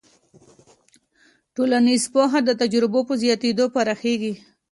ټولنیز پوهه د تجربو په زیاتېدو پراخېږي.